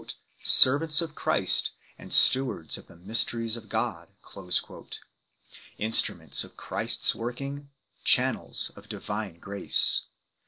29 " servants of Christ and stewards of the mysteries of God 1 / instruments of Christ s working, channels of divine grace.